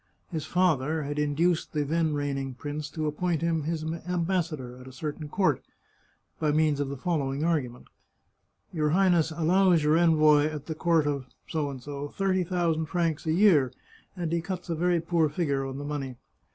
His father had induced the then reign ing prince to appoint him his ambassador at a certain court, by means of the following argument :" Your Highness al lows your envoy at the court of thirty thousand francs a year, and he cuts a very poor figure on the money.